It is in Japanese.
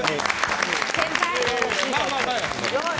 先輩！